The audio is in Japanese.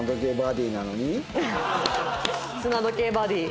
砂時計ボディ！